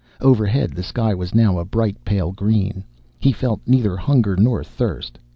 Overhead the sky was now a bright, pale green. He felt neither hunger nor thirst.